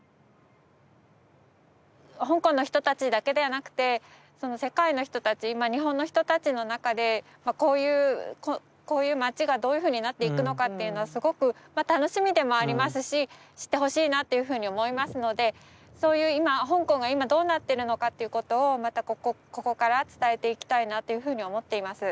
香港の人たちだけではなくてその世界の人たちまあ日本の人たちの中でこういうこういう街がどういうふうになっていくのかっていうのはすごくまあ楽しみでもありますし知ってほしいなというふうに思いますのでそういう香港が今どうなってるのかということをまたここから伝えていきたいなというふうに思っています。